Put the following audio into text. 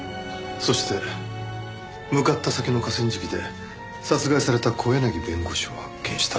そして向かった先の河川敷で殺害された小柳弁護士を発見した。